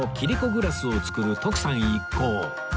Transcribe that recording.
グラスを作る徳さん一行